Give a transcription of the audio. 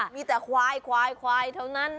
มีแต่ควายเท่านั้น